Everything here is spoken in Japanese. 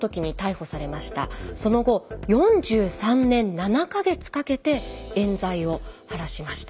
その後４３年７か月かけてえん罪を晴らしました。